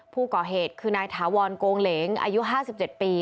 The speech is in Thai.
ผู้ก่อเหตุคือนายถาวรโกงเหลงอายุ๕๗ปี